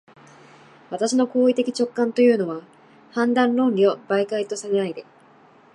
私の行為的直観というのは、判断論理を媒介とせないで、